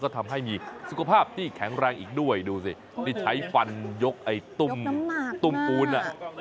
ทำให้มีสุขภาพที่แข็งแรงอีกด้วยดูสินี่ใช้ฟันยกไอ้ตุ้มปูนอ่ะ